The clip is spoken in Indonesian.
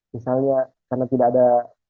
misalnya karena tidak ada